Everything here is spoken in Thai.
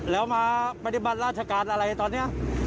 แล้วมามัดิบัลราชกาลอะไรตอนเนี้ย